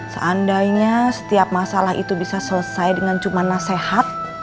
seandainya setiap masalah itu bisa selesai dengan cuma nasihat